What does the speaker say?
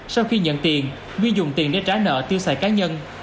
sau khi nhận tiền duy dùng tiền để trả nợ tiêu xài cá nhân